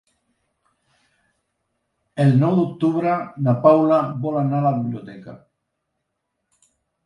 El nou d'octubre na Paula vol anar a la biblioteca.